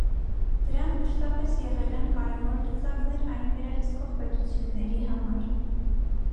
Դրանք մշատպես եղել են կարևոր լծակներ այն վերահսկող պետությունների համար։